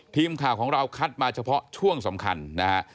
ทีมข่าวของเราคัดมาเฉพาะช่วงสำคัญนะฮะ